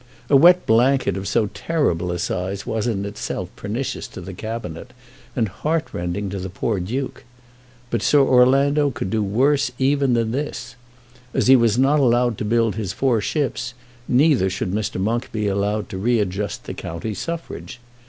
A wet blanket of so terrible a size was in itself pernicious to the Cabinet, and heartrending to the poor Duke. But Sir Orlando could do worse even than this. As he was not to build his four ships, neither should Mr. Monk be allowed to readjust the county suffrage.